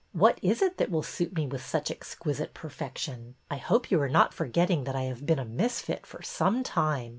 What is it that will suit me with such exquisite perfection? I hope you are not forgetting that I have been a misfit for some time.